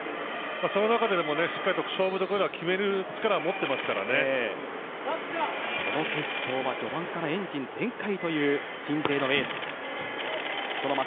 その中でもしっかりと勝負どころでは決める力をこの決勝は序盤からエンジン全開という鎮西のエース。